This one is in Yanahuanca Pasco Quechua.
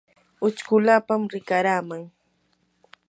uchkulapam rikaraman.